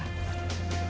terima kasih pak